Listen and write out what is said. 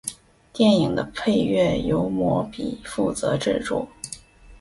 电影的配乐由魔比负责制作。